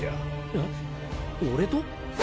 えっ俺と？